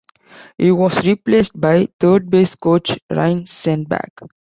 He was replaced by third-base coach Ryne Sandberg.